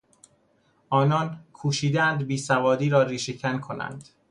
آنان کوشیدهاند بیسوادی را ریشهکن کنند.